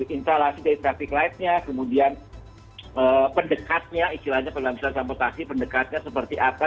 instalasi dari traffic lightnya kemudian pendekatnya istilahnya pendekatan seperti apa